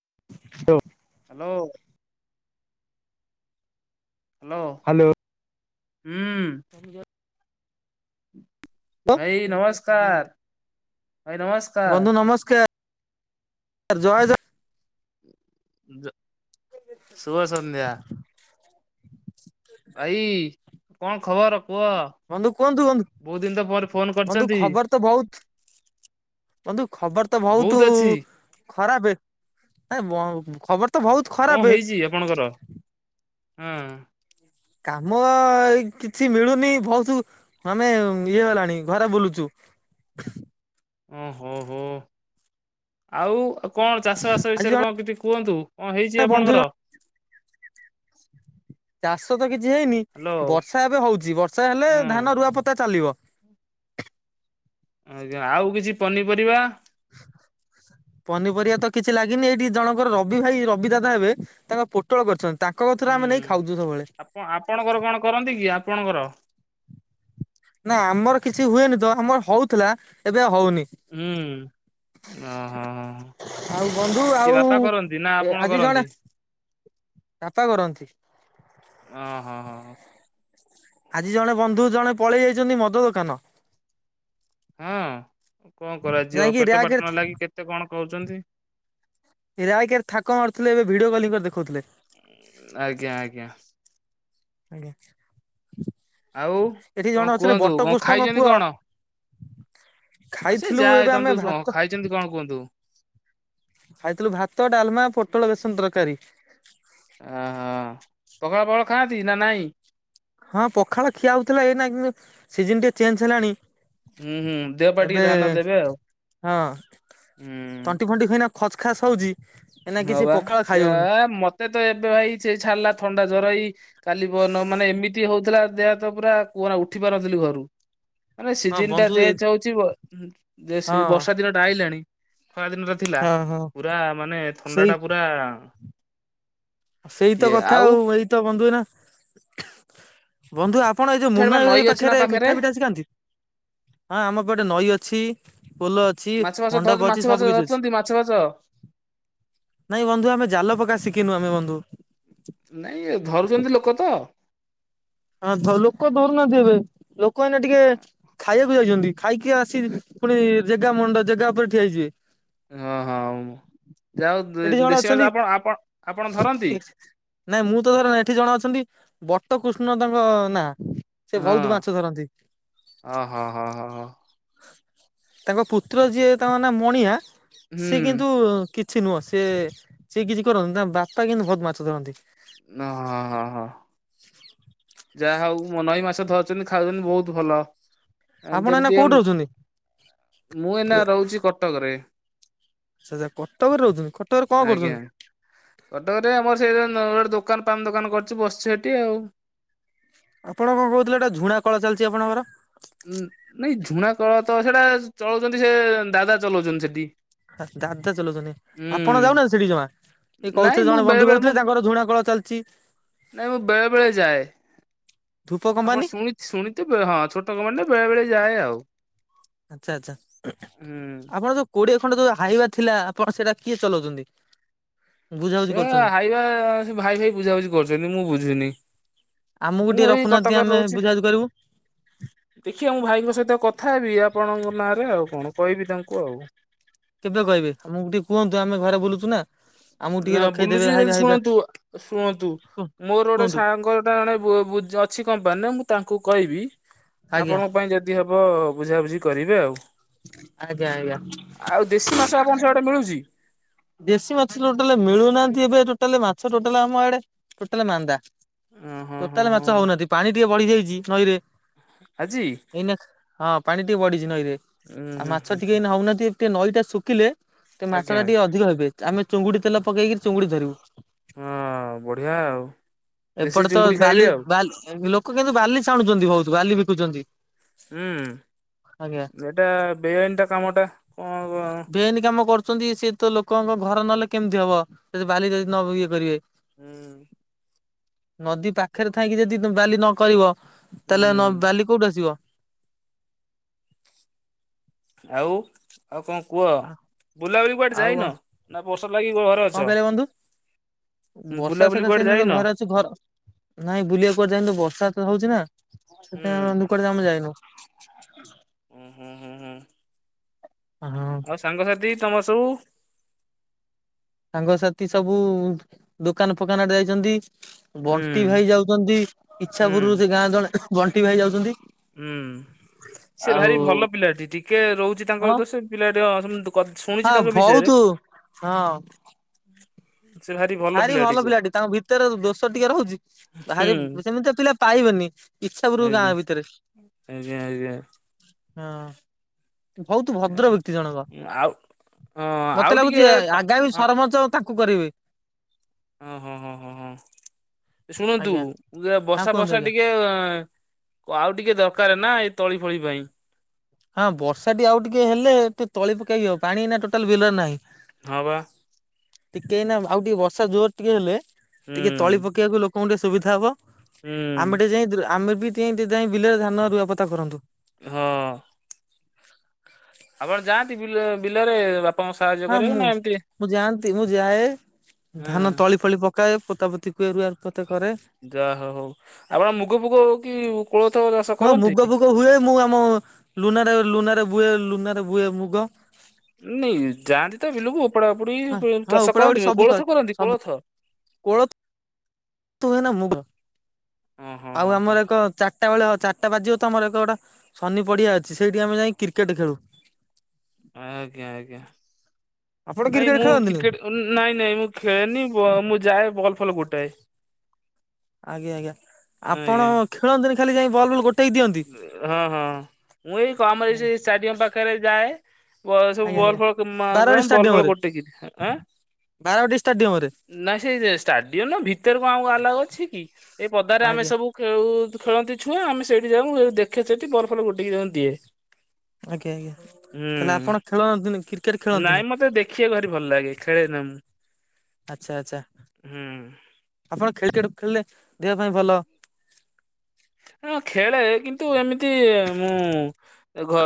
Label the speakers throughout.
Speaker 1: [unintelligible]
Speaker 2: Hello hello
Speaker 1: hello.
Speaker 2: ହୁଁ ଭାଇ ନମସ୍କାର
Speaker 1: [unintelligible]
Speaker 2: ଭାଇ ନମସ୍କାର।
Speaker 1: ବନ୍ଧୁ ନମସ୍କାର। ଜଣେ ଯ
Speaker 2: ଶୁଭ ସନ୍ଧ୍ୟା ଭାଇ କଣ ଖବର। ପୁଅ
Speaker 1: ବନ୍ଧୁ କୁହନ୍ତୁ ବନ୍ଧୁ।
Speaker 2: ବହୁତ ଦିନ ତ ପରେ ଫୋନ୍
Speaker 1: ବନ୍ଧୁ
Speaker 2: କରିଛନ୍ତି।
Speaker 1: ଖବର ତ ବହୁତ
Speaker 2: [unintelligible]
Speaker 1: ବନ୍ଧୁ ଖବର ତ ବହୁତ ଖରାପେ [unintelligible] ଖବର ତ ବହୁତ ଖରାପେ।
Speaker 2: ହୁଁ
Speaker 1: କାମ କିଛି ମିଳୁନି ବହୁତ ଆମେ ଇଏ ହେଲାଣି ଘରେ ବୁଲୁଛୁ।
Speaker 2: [inaudible] ଓ ହୋ ହୋ ଆଉ କଣ ଚାଷ ବାସ
Speaker 1: ଆଜି
Speaker 2: ବିଷୟରେ
Speaker 1: ଜଣେ
Speaker 2: କଣ କିଛି କୁହନ୍ତୁ। କଣ ହେଇଛି
Speaker 1: ବନ୍ଧୁ
Speaker 2: ଆପଣଙ୍କର?
Speaker 1: ଜଣେ ଚାଷ ତ କିଛି ହେଇନି
Speaker 2: ହ୍ୟାଲୋ
Speaker 1: ବର୍ଷା ଏବେ ହଉଛି ବର୍ଷା ହେଲେ
Speaker 2: ହୁଁ
Speaker 1: ଧାନ ରୁଆ ପୋତା ଚାଲିବ।
Speaker 2: ଆଜ୍ଞା, ଆଉ କିଛି ପନିପରିବା?
Speaker 1: ପନିପରିବା ତ କିଛି ଲାଗିନି। ଏଇଠି, ଜଣଙ୍କର ରବି ଭାଇ ରବି ଦାଦା ହେବେ ତାଙ୍କର ପୋଟଳ କରିଛନ୍ତି। ତାଙ୍କ କତୁରୁ
Speaker 2: ହୁଁ,
Speaker 1: ଆମେ ନେଇ ଖାଉଛୁ ସବୁବେଳେ।
Speaker 2: ଆପଣ ଆପଣଙ୍କର କଣ କରନ୍ତି କି! ଆପଣଙ୍କର
Speaker 1: ନା, ଆମର କିଛି ହୁଏନି ତ ଆମର ହଉଥିଲା। ଏବେ ଅ
Speaker 2: ହୁଁ। ଅ-ଅ ହ ହ ହ,
Speaker 1: ଆଉ ବନ୍ଧୁ
Speaker 2: କିଏ
Speaker 1: ଆଉ
Speaker 2: ବାପା କରନ୍ତି ନା
Speaker 1: ଏ
Speaker 2: ଆପଣ
Speaker 1: ଆଜି ଜଣେ
Speaker 2: କରନ୍ତି?
Speaker 1: ବାପା କରନ୍ତି।
Speaker 2: ହ।
Speaker 1: ଆଜି ଜଣେ ବନ୍ଧୁ ଜଣେ ପଳେଇ ଯାଇଛନ୍ତି, ମଦ ଦୋକାନ।
Speaker 2: ହଁ, କଣ କରାଯିବ?
Speaker 1: ଯାଇକି
Speaker 2: ପେଟ
Speaker 1: ର୍ୟାକ
Speaker 2: ପାଟଣା
Speaker 1: ରେ
Speaker 2: ଲାଗି କେତେ କଣ କରୁଛନ୍ତି?
Speaker 1: ଏରା ଏଇକରେ ମାରୁଥିଲେ। ଏବେ ଭିଡିଓ କଲିଂ କରି ଦେଖଉଥିଲେ।
Speaker 2: ଆଜ୍ଞା, ଆଜ୍ଞା।
Speaker 1: ଆଜ୍ଞା।
Speaker 2: ଆଉ
Speaker 1: ଏଠି
Speaker 2: କଣ
Speaker 1: ଜଣେ ଅଛନ୍ତି
Speaker 2: କୁହନ୍ତୁ କଣ
Speaker 1: ବଟକୃଷ୍ଣଙ୍କ
Speaker 2: ଖାଇଛନ୍ତି
Speaker 1: ପୁଅ।
Speaker 2: କଣ ଆ ସେ
Speaker 1: ଖାଇଥିଲୁ,
Speaker 2: ଯାହା
Speaker 1: ଏବେ
Speaker 2: ହେଇଥାନ୍ତୁ
Speaker 1: ଆମେ
Speaker 2: ଶୁଣ
Speaker 1: ଭାତ
Speaker 2: ଖାଇଛନ୍ତି କଣ କୁହନ୍ତୁ
Speaker 1: ଖାଇଥିଲୁ ଭାତ, ଡାଲମା, ପୋଟଳ ବେସନ ତରକାରୀ।
Speaker 2: ଓହୋ ପଖାଳ ଫକାଳ ଖାଆନ୍ତି ନା, ନାଇଁ?
Speaker 1: ହଁ, ପଖାଳ ଖିଆ ହେଉଥିଲା, ଏଇନା କିନ୍ ସିଜନ ଟିକେ ଚେଞ୍ଜ ହେଲାଣି।
Speaker 2: ହୁଁ ହୁଁ ଦେହ ପା ଟିକେ
Speaker 1: ଏବେ
Speaker 2: ଧ୍ୟାନ ଦେବେ ଆଉ
Speaker 1: ହଁ,
Speaker 2: ହୁଁ
Speaker 1: ତଣ୍ଟି ଫଣ୍ଟି ଖଇନା ଖଚ ଖାସ ହଉଛି। ଏଇନା
Speaker 2: ହଁ,
Speaker 1: କିଛି
Speaker 2: ବା
Speaker 1: ପଖାଳ ଖାଇ ହଉନି
Speaker 2: ସେଆ-ଆ ମତେ ତ ଏବେ ଭାଇ, ସେଇ ଛାଡିଲା ଥଣ୍ଡା ଜର ହେଇ କାଲି ପନ ମାନେ ଏମିତି ହଉଥୁ ଥିଲା, ଦେହ ତ ପୁରା କୁହନା ଉଠି ପାରୁନଥିଲି ଘରୁ ମାନେ
Speaker 1: ହଁ
Speaker 2: ସିଜନ୍ ଟା
Speaker 1: ବନ୍ଧୁ ଏ
Speaker 2: ଚେଞ୍ଜ ହଉଛି, ବ ଯେ ସେ
Speaker 1: ହଁ
Speaker 2: ବର୍ଷା ଦିନ ଟା ଆଇଲାଣି! ଖରା ଦିନଟା ଥିଲା।
Speaker 1: ହଁ ହଁ
Speaker 2: ପୁରା ମାନେ ଥଣ୍ଡା ଟା ପୁରା
Speaker 1: ସେଇତ କଥା ଆଉ। ଏଇତ ବନ୍ଧୁ ଏଇନା, ବନ୍ଧୁ ଆପ୍ ଆପଣ ଏଇ ଯଉ,
Speaker 2: ସିଆଡେ ବା
Speaker 1: ମୁନା ଭାଇ
Speaker 2: ନଈ ଅଛି ନା
Speaker 1: ପାଖରେ ମିଠା ପିଠା ଆସି ଖାଆନ୍ତି? ହଁ, ଆମ ପଟେ ନଈ ଅଛି, ପୋଲ ଅଛି, ମଣ୍ଡପ ଅଛି, ସବୁ କିଛି ଅଛି।
Speaker 2: ଅଛ।
Speaker 1: ନାଇଁ, ବନ୍ଧୁ ଆମେ ଜାଲ ପକା ଶିଖିନୁ ଆମେ ବନ୍ଧୁ।
Speaker 2: ନାଇଁ, ଧରୁଛନ୍ତି ଲୋକ ତ!
Speaker 1: ହ ଲୋକ ଧରୁନାହାଁନ୍ତି ଏବେ। ଲୋକମାନେ ଟିକେ ଖାଇବାକୁ ଯାଇଛନ୍ତି। ଖାଇକି ଆସିି ପୁଣି ଜେଗା ମଣ୍ଡ, ଜେଗା ଉପରେ ଠିଆଇଯିବେ।
Speaker 2: ହଁ, ହଁ, ମୋ ଯାହା
Speaker 1: ଏଠି
Speaker 2: ହଉ,
Speaker 1: ଜଣେ
Speaker 2: ଦେଶୀ
Speaker 1: ଅଛନ୍ତି
Speaker 2: ମାଛ ଆପଣ ଆପଣ ଆପଣ ଧରନ୍ତି?
Speaker 1: ନାଇଁ, ମୁଁ ତ ଧର ନାଇଁ ଏଠି ଜଣେ ଅଛନ୍ତି! ବଟକୃଷ୍ଣ ତାଙ୍କ-ଅ ନାଁ। ସେ
Speaker 2: ହଁ
Speaker 1: ବହୁତ ମାଛ ଧରନ୍ତି।
Speaker 2: ହଁ ହଁ ହଁ ହଁ ହଁ
Speaker 1: ତାଙ୍କ ପୁତ୍ର ଯିଏ ତାଙ୍କ ନା ମଣିଆ,
Speaker 2: ହୁଁ
Speaker 1: ସିଏ କିନ୍ତୁ କିଛି ନୁହଁ ସେ, ସିଏ କିଛି କର [unintelligible] ତାଙ୍କ ବାପା କିନ୍ତୁ ବହୁତ ମାଛ ଧରନ୍ତି।
Speaker 2: ନ ହଁ ହଁ ହଁ ହ। ଯାହା ହଉ, ମନଈ ମାଛ ଧରିଛନ୍ତି, ଖାଉଛନ୍ତି ବହୁତ ଭଲ।
Speaker 1: ଆପଣ ଏଇନା
Speaker 2: ଦେମିତି ଆମ୍,
Speaker 1: କୋଉଠି ରହୁଛନ୍ତି?
Speaker 2: ମୁଁ ଏନା ରହୁଛି କଟକରେ।
Speaker 1: ଅଚ୍ଛା ଚ୍ଛା, କଟକରେ ରହୁଛନ୍ତି! କଟକରେ କଣ
Speaker 2: ଆଜ୍ଞା
Speaker 1: କରୁଛନ୍ତି?
Speaker 2: କଟକରେ ଆମର ସେଇ [unintelligible] ଗୋଟେ ଦୋକାନ ପାନ ଦୋକାନ କରିଛି, ବସଛି ହେଠି ଆଉ।
Speaker 1: ଆପଣ କଣ କହୁଥିଲେ? ଏଟା ଝୁଣା କଳ ଚାଲିଛି ଆପଣଙ୍କର!
Speaker 2: ନାଇଁ, ଝୁଣା କଳ ତ ସେଟା ଚଳଉଛନ୍ତି, ସେ ଦାଦା ଚଲଉଛନ୍ତି ସେଠି।
Speaker 1: ଦାଦା ଚଲଉଛନି, ଆପଣ ଯାଉ
Speaker 2: ହୁଁ
Speaker 1: ନାହାଁନ୍ତି ସେଠିକି ଜମା? ଏ
Speaker 2: ନାଇଁ
Speaker 1: କହୁଥିଲେ,
Speaker 2: ମୁଁ
Speaker 1: ଜଣେ
Speaker 2: ବେଳେ
Speaker 1: ବନ୍ଧୁ
Speaker 2: ବେଳେ ମୁଁ
Speaker 1: କହୁଥିଲେ, ତାଙ୍କର ଝୁଣା କଳ ଚାଲିଚି।
Speaker 2: ବେଳେବେଳେ ଯାଏ। ଆପଣ
Speaker 1: କମ୍ପାନୀ
Speaker 2: ଶୁଣି ଶୁଣିଥିବେ, ହଁ, ଛୋଟକ ମାନେ ବେଳେ ବେଳେ ଯାଏ ଆଉ।
Speaker 1: ଆଚ୍ଛା ଆଚ୍ଛା
Speaker 2: ହୁଁ।
Speaker 1: ଆପଣ ଯୋଉ କୋଡିଏ ପଣ କରିଛନ୍ତି। ଯୋଉ ହାଇବା ଥିଲା ଆପଣ ସେଇଟା କିଏ ଚଲାଉଛନ୍ତି? ବୁଝାବୁଝି
Speaker 2: ସେ
Speaker 1: କରୁଛନ୍ତି?
Speaker 2: ହାଇବା ସେ ଭାଇ ଭାଇ ବୁଝାବୁଝି କରୁଛନ୍ତି ମୁଁ ବୁଝୁନି।
Speaker 1: ଆମକୁ
Speaker 2: ମୁଁ
Speaker 1: ଟିକେ
Speaker 2: ଏଇ
Speaker 1: ରଖୁନାହାନ୍ତି
Speaker 2: କଟକରେ
Speaker 1: ଆମେ
Speaker 2: ରହୁଛି।
Speaker 1: ବୁଝାବୁଝି କରିବୁ।
Speaker 2: ଦେଖିବା ମୁଁ ଭାଇଙ୍କ ସହିତ କଥା ହେବି ଆପଣଙ୍କ ନାଁରେ ଆଉ କଣ କହିବି ତାଙ୍କୁ ଆଉ
Speaker 1: କେବେ କହିବେ ଆମକୁ ଟିକେ କୁହନ୍ତୁ ଆମେ ଘରେ ବୁଲଛୁ ନା ଆମକୁ ଟିକେ
Speaker 2: ନା
Speaker 1: ରଖେଇଦେବେ
Speaker 2: ବୁଲୁଛି ଯେ
Speaker 1: ହାଇବା ହାଇବା
Speaker 2: ଶୁଣନ୍ତୁ ଶୁଣନ୍ତୁ ମୋର ଗୋଟେ
Speaker 1: କୁହନ୍ତୁ
Speaker 2: ସାଙ୍ଗ ଟା ଏବେ ଜଣେ ଜ ଅଛି କମ୍ପାନୀ ରେ ମୁଁ ତାଙ୍କୁ କହିବି
Speaker 1: ଆଜ୍ଞା।
Speaker 2: ଆପଣଙ୍କ ପାଇଁ ଯଦି ହେବ ବୁଝାବୁଝି କରିବେ ଆଉ।
Speaker 1: ଆଜ୍ଞା ଆଜ୍ଞା
Speaker 2: ଆଉ ଦେଶୀ ମାଛ ଆପଣ ସିଆଡେ ମିଳୁଛି?
Speaker 1: ଦେଶୀ ମାଛ ଟୋଟାଲ ମିଳୁନାହାନ୍ତି ଏବେ ଟୋଟାଲି ମାଛ ଟୋଟାଲ ଆମ ଆଡେ ଟୋଟାଲ ମାନ୍ଦା।
Speaker 2: ଓ ହଁ ହଁ
Speaker 1: ଟୋଟାଲେ ମାଛ
Speaker 2: ହଁ
Speaker 1: ହଉନାହାନ୍ତି ପାଣି ଟିକେ ବଢି ଯାଇଛି ନଈରେ
Speaker 2: ଆଜି?
Speaker 1: ଏଇନା ହଁ ପାଣି ଟିକେ ବଢିଛି ନଈରେ
Speaker 2: ଉଁ
Speaker 1: ଆଉ
Speaker 2: ହୁଁ
Speaker 1: ମାଛ
Speaker 2: ହୁଁ
Speaker 1: ଟିକେ ଏ ହଉନାହାନ୍ତି ଟ ନଈ ଟା ଶୁଖିଲେ ସେ ମାଛ
Speaker 2: ଆଜ୍ଞା
Speaker 1: ଟା ଟିକେ ଅଧି କ, ଆମେ ଚୁଙ୍ଗୁଡି ତଲ ପକେଇକି ଚୁଙ୍ଗୁଡି ଧରିବୁ।
Speaker 2: ହଁ ବଢିଆ। ଆଉ ଦେଶୀ
Speaker 1: ଏପଟେ ତ
Speaker 2: ଚିଙ୍ଗୁଡି ଖାଇବେ
Speaker 1: ବାଲି
Speaker 2: ଆଉ
Speaker 1: ବା ବାଲୋକ କିନ୍ତୁ ବାଲି ଛାଣୁଛନ୍ତି ବହୁତ ବାଲି ବିକୁଛନ୍ତି
Speaker 2: ହୁଁ।
Speaker 1: ଆଜ୍ଞା।
Speaker 2: ଏଟା ବେଆଇନ ଟା କାମଟା କ
Speaker 1: ଲୋକଣଙ୍କ ଘର ନହେଲେ କେମିତି ହବ ଯଦି ବାଲି ଯଦି ନ ଇଏ କରିବେ
Speaker 2: ହୁଁ।
Speaker 1: ନଦୀ ପାଖରେ ଥାଇକି ଯଦି ତମେ ବାଲି ନ କହିବ
Speaker 2: ହୁଁ
Speaker 1: ତାହେଲେ ବାଲି କୋଉଠି ଆସିବ।
Speaker 2: ଆଉ? ଆଉ କଣ କୁହ ବୁଲାବୁଲି କୁଆଡେ
Speaker 1: ଆଉ କଣ
Speaker 2: ଯାଇନ ନା ବର୍ସା ଲାଗି ଘରେ
Speaker 1: କଣ
Speaker 2: ଅଛ?
Speaker 1: କହିଲେ ବନ୍ଧୁ ବର୍ଷା
Speaker 2: ବୁଲାବୁଲି
Speaker 1: ସେକା
Speaker 2: କୁଆଡେ
Speaker 1: ସେନା ତ
Speaker 2: ଯାଇନ?
Speaker 1: ଘରେ ଅଛି ଘର ନାଇଁ ବୁଲିବାକୁ କୁଆଡେ ଥାଇନ୍ତୁ ବର୍ଷା ହଉଛି ନା ସେଥିାଇଁ ଆମେ
Speaker 2: ହୁଁ
Speaker 1: ଦୁ ଆମେ ଯାଇନୁ।
Speaker 2: ହୁଁ ହୁଁ ହୁଁ ହୁଁ।
Speaker 1: ହଁ
Speaker 2: ଆଉ ସାଙ୍ଗସାଥି ତମର ସବୁ
Speaker 1: ସାଙ୍ଗସାଥି ସବୁ ଦୋକାନ ଫୋକାନେ ଆଡେ ଯାଇଛନ୍ତି
Speaker 2: ହୁଁ
Speaker 1: ବଣ୍ଟି ଭାଇ ଯାଉଛନ୍ତି। ଇଚ୍ଛା
Speaker 2: ହୁଁ
Speaker 1: ପୂୁରରୁ ସେ ଗାଁ ଜଣେ ବଣ୍ଟି ଭାଇ ଯାଉଛନ୍ତି।
Speaker 2: ହୁଁ ସେ
Speaker 1: ଆଉ
Speaker 2: ଭାରି ଭଲ ପିଲାଟି। ଟିକେ ରହୁଛି
Speaker 1: ହଁ
Speaker 2: ତାଙ୍କର ଦୋଷ ସେ ପିଲାଟି ସେମ
Speaker 1: ହଁ ବହୁତ ହଁ
Speaker 2: ସେ
Speaker 1: ଭାରି
Speaker 2: ପିଲା
Speaker 1: ଭଲ
Speaker 2: ଟିକେ
Speaker 1: ପିଲାଟି ତାଙ୍କ ଭିତରେ ଦୋଷ ଟିକେ ରହୁଛି।
Speaker 2: ହୁଁ
Speaker 1: ଭାରି ସେମିତିଆ ପିଲା ପାଇବେନି ଇଛା ପୂରୁ ରୁ ଗାଁ
Speaker 2: ଆଜ୍ଞା
Speaker 1: ଭିତରେ।
Speaker 2: ଆଜ୍ଞା ଆଜ୍ଞା।
Speaker 1: ହଁ। ବହୁତ ଭଦ୍ର ବ୍ୟକ୍ତି ଜଣକ।
Speaker 2: ଆଉ ହଁ ଆଉ
Speaker 1: ମତେ
Speaker 2: ଟିକେ
Speaker 1: ଲାଗୁଛି
Speaker 2: ପା
Speaker 1: ଆଗାମୀ
Speaker 2: ହଁ
Speaker 1: ସରପଞ୍ଚ ତା କୁ କରିବେ
Speaker 2: ହଁ ହଁ ହଁ ହଁ। ଶୁଣନ୍ତୁ
Speaker 1: ଆଜ୍ଞା। ହଁ
Speaker 2: ବସା
Speaker 1: କୁହନ୍ତୁ
Speaker 2: ଫସା
Speaker 1: ଆଜ୍ଞା
Speaker 2: ଟିକେ ଅ ଆଉ ଟିକେ ଦରକାର ନା ଏତ ତଳି ଫଳି ପାଇଁ
Speaker 1: ହଁ ବର୍ଷା ଟି ଆଉ ଟିକେ ହେଲେ ଟିକେ ତଳି ପକେଇବ ପାଣି ନା ଟୋଟାଲ ବିଲରେ ନାହିଁ।
Speaker 2: ହଁ ବ
Speaker 1: ଟିକେ ଏନା ଆଉ ଟିକେ ବର୍ଷା ଜୋର ଟିକେ ହେଲେ
Speaker 2: ହୁଁ
Speaker 1: ଟିକେ ତଳି ପକେଇବାକୁ ଲୋକଙ୍କୁ ଟିକେ ସୁବିଧା ହବ। ଆମେ
Speaker 2: ହୁଁ
Speaker 1: ଟିକେ ଯାଇଥିଲୁ। ଆମେ ବି ସେନ୍ତି ଯାଇ ବିଲରେ ଧାନ ରୁଆପତ୍ତା କରନ୍ତୁ।
Speaker 2: ହଁ। ଆପଣ ଯାଆନ୍ତି ବିଲ ବିଲରେ ବାପାଙ୍କୁ ସାହାଯ୍ୟ
Speaker 1: ହଁ
Speaker 2: କରିବାକୁ
Speaker 1: ମୁଁ
Speaker 2: ନା ଏମିତି
Speaker 1: ମୁଁ ଯାଆନ୍ତି ମୁଁ ଯାଏ
Speaker 2: ହଁ
Speaker 1: ଧାନ ତଳି ଫଳି ପକା କାଏ ପୋତା ପୋତି କୁଏ ରୂଆ କରେ
Speaker 2: ଯାହା ହୋଉ ଆପଣ ମୁଗ ଫୁଗ ହଉ କି କୋଳ
Speaker 1: ମୂବା ମୁଗ ଫୁଗ ହୁଏ ମୁଁ ଆମ ଲୁନାରେ। ଲୁନାରେ ବୁଏ ଲୁନ ରେ ବୁଏ ମୁଗ।
Speaker 2: ନେଇଁ ଯାଆନ୍ତି ତ ବିଲୁକୁୁ। ଓପଡା ଓପୁଡି
Speaker 1: ହଁ ହଁ
Speaker 2: ଚାଷ
Speaker 1: ଉପଡା ଉପଡି
Speaker 2: କରନ୍ତି
Speaker 1: ସବୁ କରେ
Speaker 2: କୋଳଥ କରନ୍ତି କୋଳଥ।
Speaker 1: ଥ ହୁଏନା ମୁଗ।
Speaker 2: ହଁ ହଁ
Speaker 1: ଆଉ
Speaker 2: ହଁ ହଁ
Speaker 1: ଆମର ଏକ ଚା ଚାରିଟା ବେଳେ ହ ଚାରିଟା ବାଜିବ ତମର ଏକରେ ଗୋଟା ସନି ପଡିଆ ଅଛି ସେଇଠି ଆମେ ଯାଇ କ୍ରିକେଟ ଖେଳୁ।
Speaker 2: ଆଜ୍ଞା ଆଜ୍ଞା।
Speaker 1: ଆପଣ
Speaker 2: ନାଇଁ
Speaker 1: କ୍ରିକେଟ
Speaker 2: ମୁଁ
Speaker 1: ଖେଳନ୍ତିନି?
Speaker 2: କ୍ରିକେଟ ନାଇଁ ନାଇଁ ମୁଁ ଖେଳେନି ବ ମୁଁ ଯାଏ ବଲ। ଫଲ ଗୋଟଏ।
Speaker 1: ଆଜ୍ଞା ଆଜ୍ଞା ଆପଣ ଖେଳନ୍ତିନି ଖାଲି ଯାଇ ବଲ ଫଲ ଗୋଟା
Speaker 2: ହଁ ହଁ ମୁଁ ଏଇ କ ଆମରି ଏ ଏଇ ଷ୍ଟାଡିୟମ ପାଖରେ ଯାଏ। ଏ ସବୁ
Speaker 1: ଆଜ୍ଞା
Speaker 2: ବଲ
Speaker 1: ଆଜ୍ଞା।
Speaker 2: ଫଲ ମାଗଣା
Speaker 1: ବାରବାଟୀ
Speaker 2: ବଲ ଗୋଟେ କି‌ ଦିଏ ଆଁ।
Speaker 1: ଷ୍ଟାଡିୟମ ରେ।
Speaker 2: ନାଇ ସେଇ ଯେ ଷ୍ଟାଡିୟମ ନୁଅ ଭିତରେ କଣ ଆମକୁ ଆଲଓ ଅଛି କି ଏଇ ପଦାରେ ଆମେ
Speaker 1: ଆଜ୍ଞା
Speaker 2: ସବୁ ଖେଳୁୁ। ଖେଳନ୍ତି ଛୁଆ ଆମେ ସେଇଠି ଯାଉ ମୁଁ ଦେଖେ ସେଠି ବଲ ଫଲ ଗୋଟେଇକି ତାଙ୍କୁ ଦିଏ।
Speaker 1: ଆଜ୍ଞା ଆଜ୍ଞା ତାହେଲେ
Speaker 2: ହୁଁ
Speaker 1: ଆପଣ ଖେଳନ୍ତିନ କ୍ରି
Speaker 2: ନାଇଁ ମତେ ଦେଖିବାକୁ ଭାରି ଭଲ ଲାଗେ ଖେଳିନା ମୁଁ।
Speaker 1: ଆଚ୍ଛା ଆଚ୍ଛା
Speaker 2: ହୁଁ।
Speaker 1: ଆପଣ କ୍ରିକେଟ ଖେଳିଲେ ଦେହ ପାଇଁ ଭଲ।
Speaker 2: ମାନେ କଁ ଖେଳେ କିନ୍ତୁ ଏମିତି ମୁଁ ଘ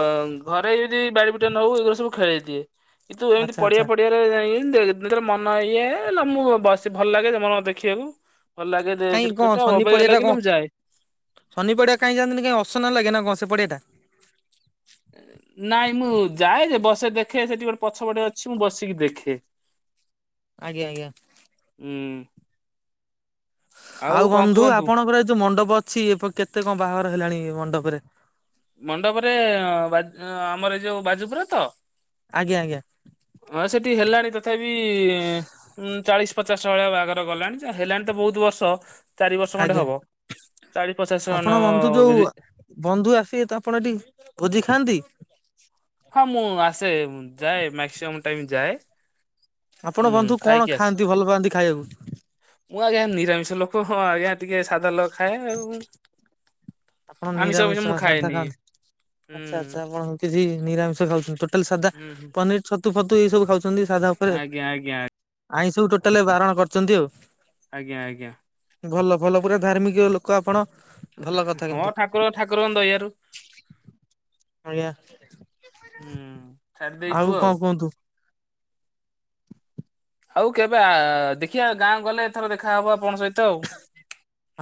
Speaker 2: ଘରେ ଯଦି ବାଡମି ମିଟର ହଉ ଏଗୁରା ସବୁ ଖେଳେଇ ଦିଏ କିନ୍ତୁ ଏମିତି
Speaker 1: ଆଚ୍ଛା
Speaker 2: ପଡିଆ
Speaker 1: ଆଚ୍ଛା।
Speaker 2: ଫଡିଆରେ ଯାଇଁ ଦେଖ ଯେତେବେଳେ ମନ ଇଏ ହେଲା ମୁଁ ବସେ ଭଲ ଲାଗେ ମ ଦେଖିବାକୁ। ଭଲ ଲାଗେ ରେ
Speaker 1: କାଇଁ କଣ
Speaker 2: କ୍ରିକେଟା
Speaker 1: ଶନି
Speaker 2: ଅବାଗିଆ
Speaker 1: ପଡିଆ ଟା କଣ
Speaker 2: ଲାଗିଲେ ମୁଁ ଯାଏ।
Speaker 1: ଶନି ପଡିଆ କାଇଁ ଯାଆନ୍ତିନି କାଇଁ ଅସନା ଲାଗେ ନା କଣ ସେ ପଡିଆଟା।
Speaker 2: ହୁଁ। ନାଇଁ ମୁଁ ଯାଏ ଯେ ବସେ ଦେଖେ ସେଠି ଗୋଟେ ପଛପଟେ ଅଛି ମୁଁ ବସିକି ଦେଖେ।
Speaker 1: ଆଜ୍ଞା, ଆଜ୍ଞା।
Speaker 2: ହୁଁ
Speaker 1: ଆଉ
Speaker 2: କଣ
Speaker 1: ବନ୍ଧୁ
Speaker 2: କୁହନ୍ତୁ?
Speaker 1: ଆପଣଙ୍କର ଏ ଯୋଉ ମଣ୍ଡପ ଅଛି ଏ କେତେ କଣ ବାହାଘର ହେଲାଣି ମଣ୍ଡପରେ।
Speaker 2: ମଣ୍ଡପରେ ବା ଆମର ଏଇ ଯୋଉ ବାଜୁପୁରେ ତ।
Speaker 1: ଆଜ୍ଞା ଆଜ୍ଞା
Speaker 2: ହଁ ସେଠି ହେଲାଣି ତଥାପି ଉଁ ଚାଳିଶ। ପଚାଶ ଟା ଭଳିଆ ବାହାଘର ଗଲାଣି ଜା ହେଲାଣି ତ ବହୁତ ବର୍ଷ। ଚାରି ବର୍ଷ ଖଣ୍ଡେ
Speaker 1: ଆଜ୍ଞା
Speaker 2: ହବ ଚାଳିଶ ପଚାଶ
Speaker 1: ଆପଣ
Speaker 2: ଖଣ୍ଡ
Speaker 1: ବନ୍ଧୁ ଯୋଉ ବନ୍ଧୁ ଆସିବେ ତ ଆପଣ ଏଠି ଭୋଜି ଖାଆନ୍ତି।
Speaker 2: ହଁ ମୁଁ ଆସେ ଯାଏ ମାକ୍ସିମମ୍ ଟାଇମ ଯାଏ।
Speaker 1: ଆପଣ
Speaker 2: ଉଁ
Speaker 1: ବନ୍ଧୁ କଣ
Speaker 2: ଖାଇକି ଆସେ।
Speaker 1: ଖାଆନ୍ତି ଭଲ ପାଆନ୍ତି ଖାଇଆକୁ?
Speaker 2: ମୁଁ ଆଜ୍ଞା ନିରାମିଷ ଲୋକ ହଁ ଆଜ୍ଞା ଟିକେ ସାଧା ଲ ଖାଏ ଆଉ।
Speaker 1: ଆପଣ
Speaker 2: ଆମିଷ ଫାମିଷ
Speaker 1: ନିରାମିଷ
Speaker 2: ମୁଁ
Speaker 1: ସାଦା
Speaker 2: ଖାଏନି।
Speaker 1: ଖାଆନ୍ତି
Speaker 2: ହୁଁ
Speaker 1: ଆଚ୍ଛା ଆଚ୍ଛା ଆପଣ କିଛି ନିରାମିଷ ଖାଉଛନ୍ତି ଟୋଟାଲ ସାଧା
Speaker 2: ହୁଁ ହୁଁ
Speaker 1: ପନିର ଛତୁ ଫତୁ ଏଇ ସବୁ ଖାଉଛନ୍ତି। ସାଧା ଉପରେ
Speaker 2: ଆଜ୍ଞା ଆଜ୍ଞା।
Speaker 1: ଆଇଁଷ କୁ ଟୋଟାଲ ବାରଣ କରିଛନ୍ତି ଆଉ।
Speaker 2: ଆଜ୍ଞା, ଆଜ୍ଞା।
Speaker 1: ଭଲ ଭଲ ପୁରା ଧାର୍ମିକ ଲୋକ ଆପଣ। ଭଲ କଥା
Speaker 2: ହଁ
Speaker 1: କିନ୍ତୁ
Speaker 2: ଠାକୁର ଠାକୁରଙ୍କ ଦୟାରୁ
Speaker 1: ଆଜ୍ଞା।
Speaker 2: ହୁଁ ଛାଡି ଦେଇଛୁ
Speaker 1: ଆଉ କଣ କୁହନ୍ତୁ।
Speaker 2: ଆଉ କେବେ ଆ ଦେଖିବା ଗାଁ କୁ ଗଲେ ଏଥର ଦେଖାହବ ଆପଣଙ୍କ ସହିତ। ଆଉ।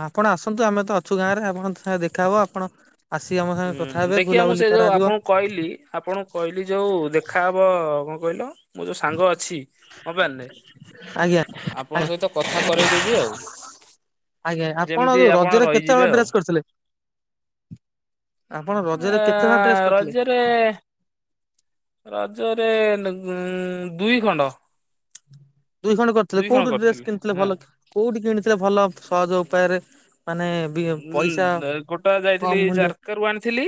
Speaker 1: ଆପଣ ଆସନ୍ତୁ ଆମେ ତ ଅଛୁ ଗାଁରେ ଆପଣ ସାଙ୍ଗେ ଦେଖାହେବ ଆପଣ। ଆସିକି ଆମ ସାଙ୍ଗେ କଥା
Speaker 2: ହୁଁ
Speaker 1: ହେବେ
Speaker 2: ଦେଖିବା ମୁଁ
Speaker 1: ବୁଲାବୁଲି
Speaker 2: ସେ ଯୋଉ
Speaker 1: କରାଯିବ
Speaker 2: ଆପଣଙ୍କୁ କହିଲି ଆପଣଙ୍କୁ କହିଲି ଯୋଉ ଦେଖାହବ। କହିଲ ମୋ ଯୋଉ ସାଙ୍ଗ ଅଛି ମୋବାଇଲରେ
Speaker 1: ଆଜ୍ଞା, ଆ
Speaker 2: ଆପଣଙ୍କ ସହିତ କଥା କରେଇଦେବି ଆଉ।
Speaker 1: ଆଜ୍ଞା ଆପଣ
Speaker 2: ଯେମିତି
Speaker 1: ଯୋଉ ରଜରେ କେତେ ହଳ
Speaker 2: ରହିଯିବେ ଆଉ
Speaker 1: ଡ୍ରେସ କରିଥିଲେ। ଆପଣ ରଜରେ
Speaker 2: ଏ
Speaker 1: କେତେ ହଳ‌ ଡ୍ରେସ୍ କରିଥିଲେ?
Speaker 2: ରଜରେ ରଜରେ ନୁ ଦୁଇ ଖଣ୍ଡ।
Speaker 1: ଦୁଇ ଖଣ୍ଡ କରିଥିଲେ।
Speaker 2: ଦୁଇ ଖଣ୍ଡ
Speaker 1: କୋଉଠି ଡ୍ରେସ୍
Speaker 2: କରିଥିଲି
Speaker 1: କିଣିଥିଲେ
Speaker 2: ହଁ।
Speaker 1: ଭଲ କୋଉଠି କିଣିଥିଲେ ଭଲ ସହଜ ଉପାୟରେ। ମାନେ ବି ପଇସା
Speaker 2: ଉଁ ଗୋଟା
Speaker 1: କମ
Speaker 2: ଯାଇଥିଲି
Speaker 1: ମୂଲ୍ୟ।
Speaker 2: ଜାରକାରୁ ଆଣିଥିଲି।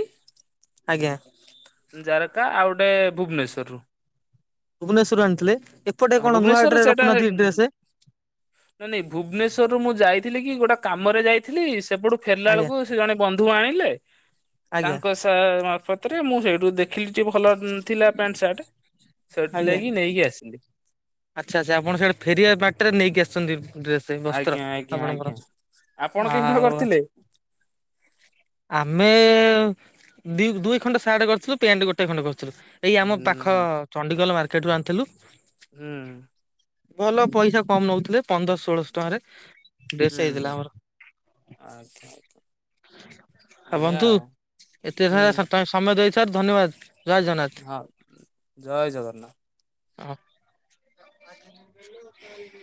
Speaker 1: ଆଜ୍ଞା।
Speaker 2: ଜାରକା ଆଉ ଗୋଟେ ଭୁବନେଶ୍ଵରରୁ।
Speaker 1: ଭୁବନେଶ୍ଵରରୁ ଆଣିଥିଲେ। ଏପଟେ
Speaker 2: ହଁ
Speaker 1: କଣ ନୂଆହାଟ ରେ ରଖୁନାହାନ୍ତି କି ଡ୍ରେସ?
Speaker 2: ନା ନାଇଁ ଭୁବନେଶ୍ୱରରୁ ମୁଁ ଯାଇ ଥିଲି କି ଗୋଟେ କାମରେ ଯାଇଥିଲି ସେପଟୁ ଫେରିଲା
Speaker 1: ଆଜ୍ଞା
Speaker 2: ବେଳକୁ ସେ ଜଣେ ବନ୍ଧୁ ଆଣିଲେ।
Speaker 1: ଆଜ୍ଞା
Speaker 2: ତାଙ୍କ ସା ମାଫତରେ ମୁଁ ସେଇଠୁ ଦେଖିଚି ଭଲ ଥିଲା ପ୍ୟାଣ୍ଟ ସାର୍ଟ।
Speaker 1: ଆଜ୍ଞା
Speaker 2: ସେଥିଲାଗି ନେଇକି ଆସିଲି।
Speaker 1: ଆଚ୍ଛା, ଆଚ୍ଛା। ଆପଣ ସେଟା ଫେରିବା ବାଟରେ ନେଇକି ଆସିଛନ୍ତି। ଡ୍ରେସ ବସ୍ତ୍ର
Speaker 2: ଆଜ୍ଞା ଆଜ୍ଞା
Speaker 1: ଆପଣଙ୍କର।
Speaker 2: ଆଜ୍ଞା ଆପଣ କି ହଳ
Speaker 1: ଆଉ
Speaker 2: କରିଥିଲେ
Speaker 1: ଆମେ ଦି ଦୁଇ ଖଣ୍ଡ ସାର୍ଟ କରିଥିଲୁ ପ୍ୟାଣ୍ଟ ଗୋଟେ ଖଣ୍ଡେ କରିଥିଲୁ। ଏଇ ଆମ
Speaker 2: ହୁଁ
Speaker 1: ପାଖ
Speaker 2: ହୁଁ
Speaker 1: ଚଣ୍ଡିଖୋଲ ମାର୍କ ସେଠୁ ଆଣିଥିଲୁ।
Speaker 2: ହୁଁ
Speaker 1: ଭଲ ପଇସା କମ ନେଉଥିଲେ ପନ୍ଦର ଷୋଳଶ ଟଙ୍କାରେ। ଡ୍ରେସ
Speaker 2: ହୁଁ
Speaker 1: ହେଇଥିଲା ଆମର
Speaker 2: ଆଜ୍ଞା ଆଜ୍ଞା।
Speaker 1: ଆ
Speaker 2: ବଢିଆ
Speaker 1: ବନ୍ଧୁ
Speaker 2: ଆଉ
Speaker 1: ଏତେ
Speaker 2: ହୁଁ
Speaker 1: ସମୟ ଦେଇଥିବାରୁ ଧନ୍ୟବାଦ। ଜୟ ଜଗନ୍ନାଥ।
Speaker 2: ହଁ ଜୟ ଜଗନ୍ନାଥ।
Speaker 1: [unintelligible] [inaudible]